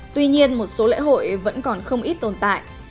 tuy nhiên một số lễ hội vẫn còn không ít tồn tại